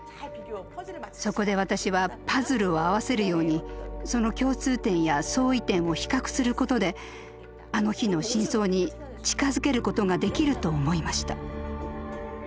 そこで私はパズルを合わせるようにその共通点や相違点を比較することであの日の真相に近づけることができると思いました。